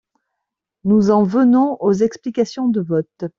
Nous en venons aux explications de vote.